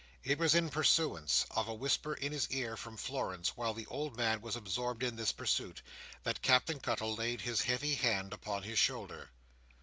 It was in pursuance of a whisper in his ear from Florence, while the old man was absorbed in this pursuit, that Captain Cuttle laid his heavy hand upon his shoulder.